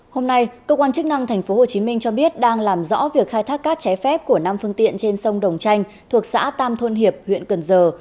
hôm nay cơ quan chức năng tp hcm cho biết đang làm rõ việc khai thác cát trái phép của năm phương tiện trên sông đồng tranh thuộc xã tam thôn hiệp huyện cần giờ